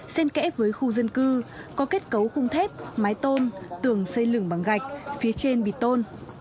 sen kẽ với khu dân cư có kết cấu khung thép mái tôn tường xây lửng bằng gạch phía trên bịt tôn